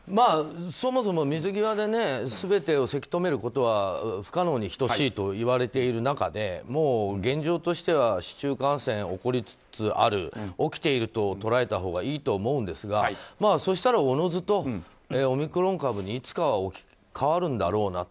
そもそも水際で全てをせき止めることは不可能に等しいといわれている中でもう現状としては市中感染が起こりつつある起きていると捉えたほうがいいと思うんですがそうしたら自ずとオミクロン株にいつかは置き換わるんだろうなと。